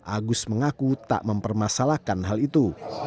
agus mengaku tak mempermasalahkan hal itu